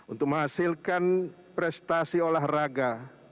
untuk menghasilkan prestasi olahraga